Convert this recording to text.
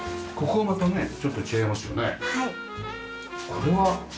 これは？